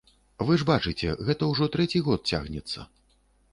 Вы ж бачыце, гэта ўжо трэці год цягнецца.